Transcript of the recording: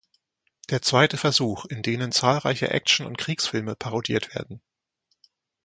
Der zweite Versuch," in denen zahlreiche Action- und Kriegsfilme parodiert werden.